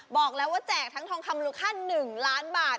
บอกแล้วว่าแจกทั้งทองคำมูลค่า๑ล้านบาท